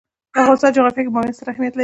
د افغانستان جغرافیه کې بامیان ستر اهمیت لري.